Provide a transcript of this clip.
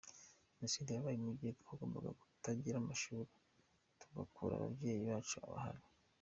Jenoside yabaye mu gihe twagombaga gutangira amashuri, tugakura ababyeyi bacu bahari.